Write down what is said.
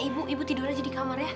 ibu ibu tidur aja di kamar ya